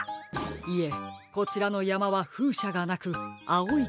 いえこちらのやまはふうしゃがなくあおい